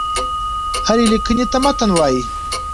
هري ليکني ته متن وايي.